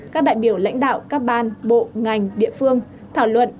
các đại biểu lãnh đạo các ban bộ ngành địa phương thảo luận